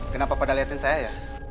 kenapa pada liatin saya ya